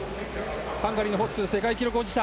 ハンガリーのホッスー世界記録保持者。